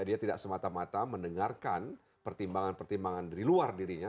dia tidak semata mata mendengarkan pertimbangan pertimbangan dari luar dirinya